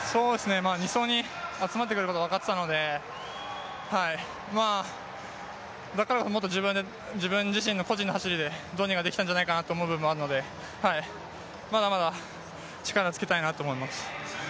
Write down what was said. ２走に集まってくることが分かっていたのでだからもっと自分自身の個人の走りでどうにかできたんじゃないかなという部分もあるのでまだまだ力をつけたいなと思います。